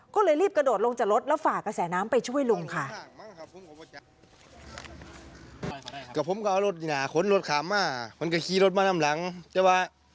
ก็เลยรีบกระโดดลงจากรถแล้วฝากกระแสน้ำไปช่วยลุงค่ะ